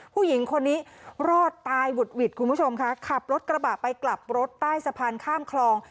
ผู้หญิงคนนี้รอดตายหวุดหวิดคุณผู้ชมค่ะขับรถกระบะไปกลับรถใต้สะพานข้ามคลอง